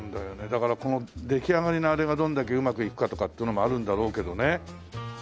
だからこの出来上がりのあれがどんだけうまくいくかとかっていうのもあるんだろうけどね。